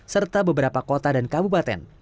serta beberapa kota dan kabupaten